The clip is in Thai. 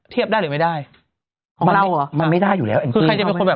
เทียบได้หรือไม่ได้ของเราอ่ะมันไม่ได้อยู่แล้วอย่างงีคือใครจะเป็นคนแบบ